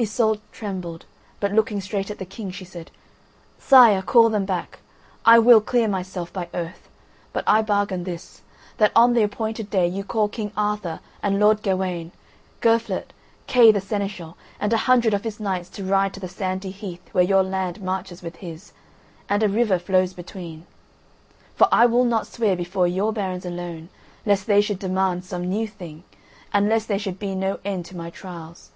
Iseult trembled, but looking straight at the King, she said: "Sire, call them back; I will clear myself by oath. But I bargain this: that on the appointed day you call King Arthur and Lord Gawain, Girflet, Kay the Seneschal, and a hundred of his knights to ride to the Sandy Heath where your land marches with his, and a river flows between; for I will not swear before your barons alone, lest they should demand some new thing, and lest there should be no end to my trials.